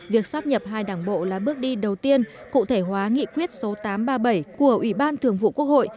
việc sắp nhập hai đảng bộ là bước đi đầu tiên cụ thể hóa nghị quyết số tám trăm ba mươi bảy của ủy ban thường vụ quốc hội